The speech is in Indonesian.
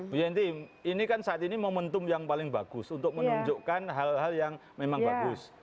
bu yanti ini kan saat ini momentum yang paling bagus untuk menunjukkan hal hal yang memang bagus